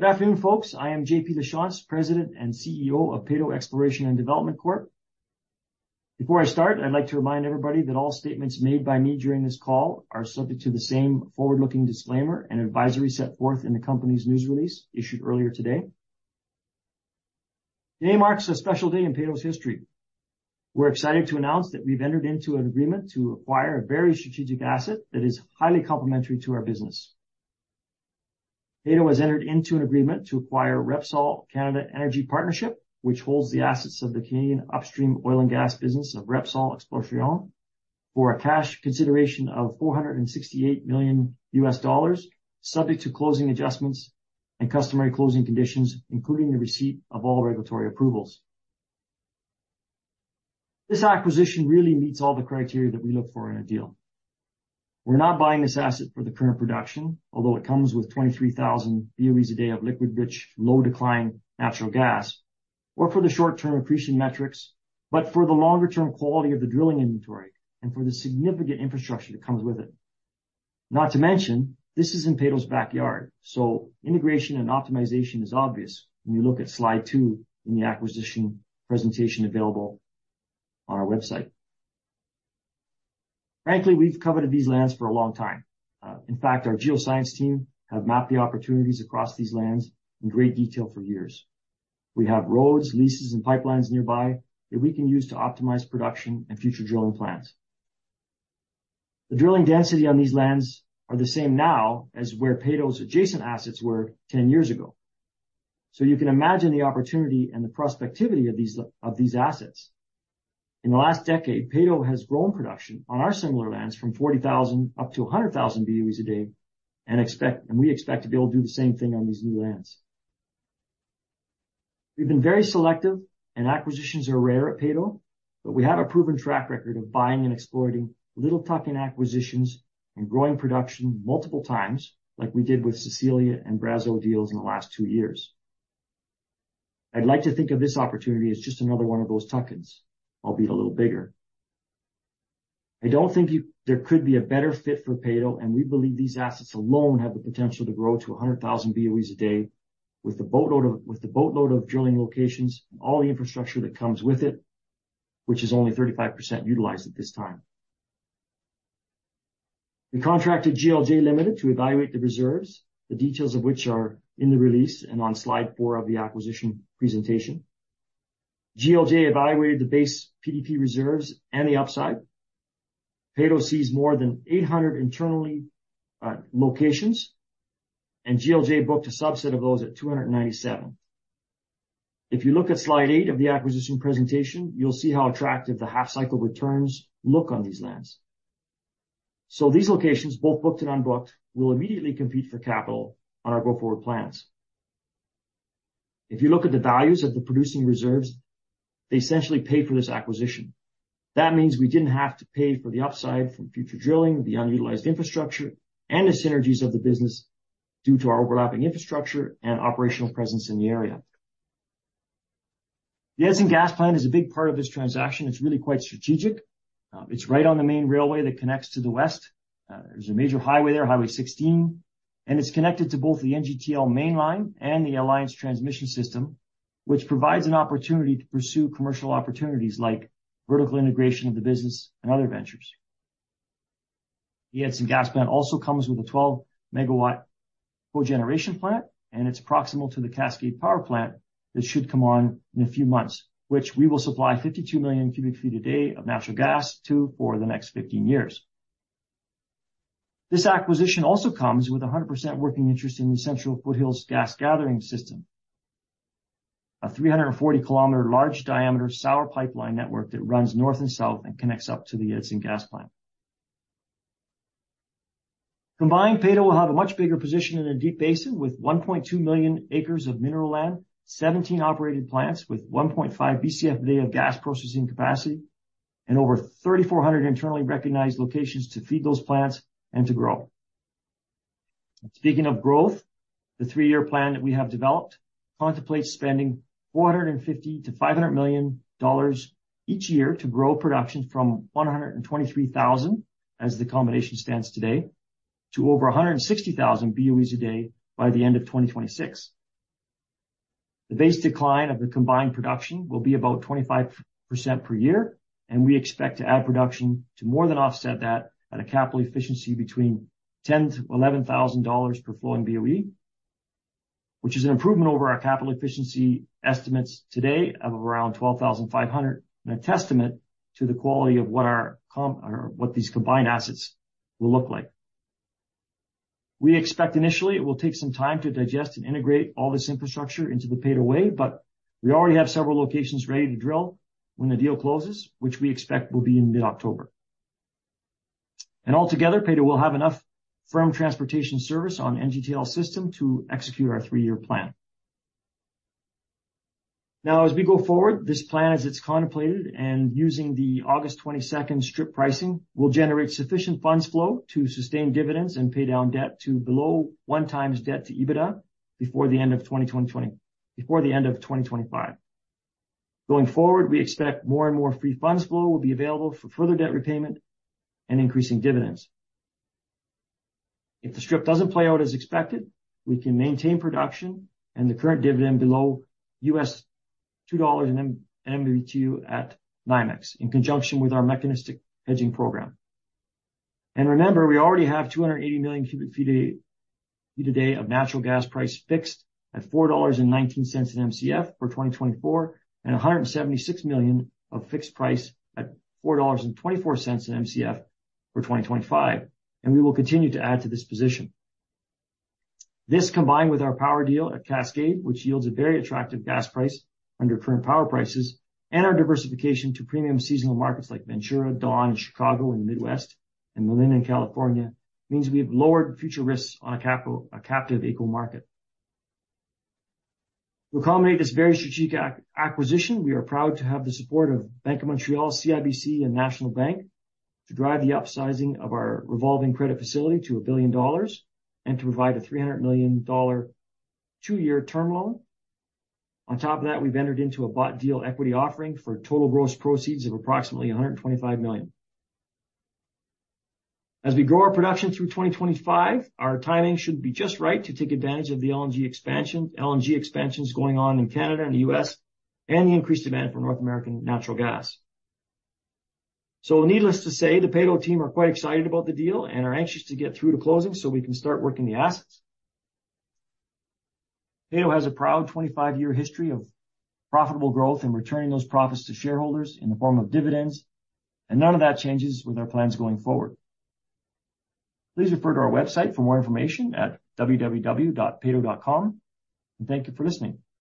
Good afternoon, folks. I am JP Lachance, President and CEO of Peyto Exploration & Development Corp. Before I start, I'd like to remind everybody that all statements made by me during this call are subject to the same forward-looking disclaimer and advisory set forth in the company's news release issued earlier today. Today marks a special day in Peyto's history. We're excited to announce that we've entered into an agreement to acquire a very strategic asset that is highly complementary to our business. Peyto has entered into an agreement to acquire Repsol Canada Energy Partnership, which holds the assets of the Canadian upstream oil and gas business of Repsol Exploración, for a cash consideration of $468 million, subject to closing adjustments and customary closing conditions, including the receipt of all regulatory approvals. This acquisition really meets all the criteria that we look for in a deal. We're not buying this asset for the current production, although it comes with 23,000 BOEs a day of liquid rich, low decline, natural gas, or for the short term appreciation metrics, but for the longer term quality of the drilling inventory and for the significant infrastructure that comes with it. Not to mention, this is in Peyto's backyard, so integration and optimization is obvious when you look at slide two in the acquisition presentation available on our website. Frankly, we've coveted these lands for a long time. In fact, our geoscience team have mapped the opportunities across these lands in great detail for years. We have roads, leases, and pipelines nearby that we can use to optimize production and future drilling plans. The drilling density on these lands are the same now as where Peyto's adjacent assets were 10 years ago. So you can imagine the opportunity and the prospectivity of these, of these assets. In the last decade, Peyto has grown production on our similar lands from 40,000 up to 100,000 BOEs a day, and we expect to be able to do the same thing on these new lands. We've been very selective and acquisitions are rare at Peyto, but we have a proven track record of buying and exploiting little tuck-in acquisitions and growing production multiple times, like we did with Cecilia and Brazeau deals in the last two years. I'd like to think of this opportunity as just another one of those tuck-ins, albeit a little bigger. I don't think there's a better fit for Peyto, and we believe these assets alone have the potential to grow to 100,000 BOEs a day with the boatload of, with the boatload of drilling locations and all the infrastructure that comes with it, which is only 35% utilized at this time. We contracted GLJ Ltd. to evaluate the reserves, the details of which are in the release and on slide 4 of the acquisition presentation. GLJ evaluated the base PDP reserves and the upside. Peyto sees more than 800 internally, locations, and GLJ booked a subset of those at 297. If you look at slide 8 of the acquisition presentation, you'll see how attractive the half-cycle returns look on these lands. So these locations, both booked and unbooked, will immediately compete for capital on our go-forward plans. If you look at the values of the producing reserves, they essentially pay for this acquisition. That means we didn't have to pay for the upside from future drilling, the underutilized infrastructure, and the synergies of the business due to our overlapping infrastructure and operational presence in the area. The Edson Gas Plant is a big part of this transaction. It's really quite strategic. It's right on the main railway that connects to the west. There's a major highway there, Highway 16, and it's connected to both the NGTL mainline and the Alliance Transmission System, which provides an opportunity to pursue commercial opportunities like vertical integration of the business and other ventures. The Edson Gas Plant also comes with a 12 MW cogeneration plant, and it's proximal to the Cascade Power Plant that should come on in a few months, which we will supply 52 million cubic feet a day of natural gas to for the next 15 years. This acquisition also comes with a 100% working interest in the Central Foothills Gas Gathering System, a 340 km large-diameter sour pipeline network that runs north and south and connects up to the Edson Gas Plant. Combined, Peyto will have a much bigger position in a Deep Basin with 1.2 million acres of mineral land, 17 operated plants with 1.5 bcfd of gas processing capacity, and over 3,400 internally recognized locations to feed those plants and to grow. Speaking of growth, the three-year plan that we have developed contemplates spending 450 million-500 million dollars each year to grow production from 123,000, as the combination stands today, to over 160,000 BOEs a day by the end of 2026. The base decline of the combined production will be about 25% per year, and we expect to add production to more than offset that at a capital efficiency between $10,000-$11,000 per flowing BOE, which is an improvement over our capital efficiency estimates today of around $12,500, and a testament to the quality of what our com or what these combined assets will look like. We expect initially it will take some time to digest and integrate all this infrastructure into the Peyto way, but we already have several locations ready to drill when the deal closes, which we expect will be in mid-October. Altogether, Peyto will have enough firm transportation service on NGTL System to execute our three-year plan. Now, as we go forward, this plan, as it's contemplated and using the August 22 strip pricing, will generate sufficient funds flow to sustain dividends and pay down debt to below 1x debt to EBITDA before the end of 2025. Going forward, we expect more and more free funds flow will be available for further debt repayment and increasing dividends. If the strip doesn't play out as expected, we can maintain production and the current dividend below $2/MMBtu at NYMEX, in conjunction with our mechanistic hedging program. And remember, we already have 280 million cubic feet a day of natural gas price fixed at 4.19 dollars/Mcf for 2024, and 176 million of fixed price at 4.24 dollars/Mcf for 2025, and we will continue to add to this position. This, combined with our power deal at Cascade, which yields a very attractive gas price under current power prices, and our diversification to premium seasonal markets like Ventura, Dawn, and Chicago, and Midwest and Malin in California, means we have lowered future risks on a capital, a captive AECO market. To accommodate this very strategic acquisition, we are proud to have the support of Bank of Montreal, CIBC, and National Bank to drive the upsizing of our revolving credit facility to 1 billion dollars and to provide a 300 million dollar two-year term loan. On top of that, we've entered into a bought deal equity offering for total gross proceeds of approximately 125 million. As we grow our production through 2025, our timing should be just right to take advantage of the LNG expansion, LNG expansions going on in Canada and the U.S. and the increased demand for North American natural gas. Needless to say, the Peyto team are quite excited about the deal and are anxious to get through to closing so we can start working the assets. Peyto has a proud 25-year history of profitable growth and returning those profits to shareholders in the form of dividends, and none of that changes with our plans going forward. Please refer to our website for more information at www.peyto.com, and thank you for listening.